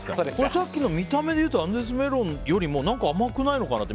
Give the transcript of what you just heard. さっきの見た目でいうとアンデスメロンよりも甘くないのかなって。